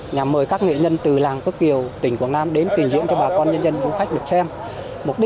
nhằm mời các nghệ nhân từ làng cớ kiều tỉnh quảng nam đến kỳ diễn cho bà con nhân dân vũ khách được xem